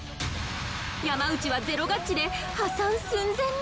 山内はゼロガッチで破産寸前に